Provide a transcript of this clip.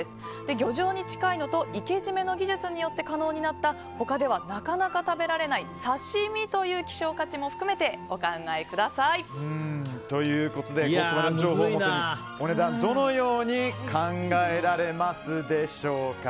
漁場に近いのと活け締めの技術によって可能になった他ではなかなか食べられない刺し身という希少価値も含めてお考えください。ということでこれらの情報をもとにお値段は考えられますでしょうか。